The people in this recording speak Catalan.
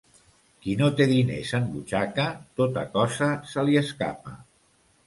Qui no té diners en butxaca, tota cosa se li escapa.